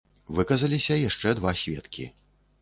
Выказаліся яшчэ два сведкі.